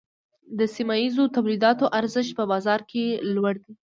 د سیمه ییزو تولیداتو ارزښت په بازار کې لوړ دی۔